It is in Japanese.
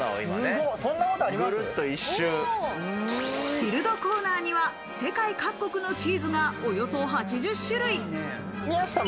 チルドコーナーには世界各国のチーズがおよそ８０種類。